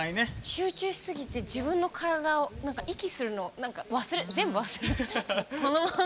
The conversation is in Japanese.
集中しすぎて自分の体で息するの全部忘れて。